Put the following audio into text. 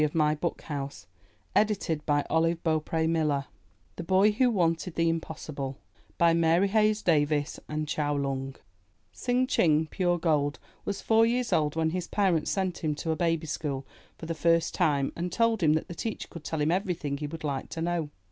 387 MYBOOK HOUSE THE BOY WHO WANTED THE IMPOSSIBLE* Mary Hayes Davis and Chow Leung Tsing Ching (Pure Gold) was four years old when his parents sent him to a ''baby school'* for the first time and told him that the teacher could tell him everything he would like to know.